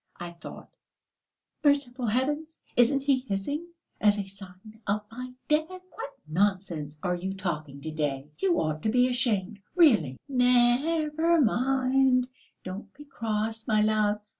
I thought, 'Merciful heavens! isn't he hissing as a sign of my death?'" "What nonsense you are talking to day! You ought to be ashamed, really!" "Never mind, don't be cross, my love.